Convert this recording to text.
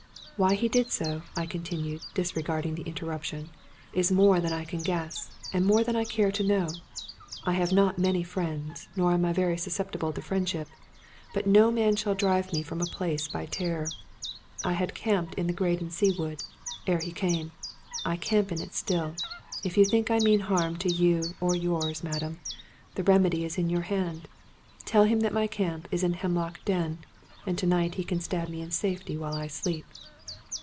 " Why he did so," I continued, disregarding the inter ruption, " is more than I can guess, and more than I care to know. I have not many friends, nor am I very sus ceptible to friendship ; but no man shall drive me from a , place by terror. I had camped in the Graden Sea Wood ere he came; I camp in it still. If you think I mean harm to you or yours, madame, the remedy is in your hand. Tell him that my camp is in the Hemlock Den, and to night he can stab me in safety while I sleep."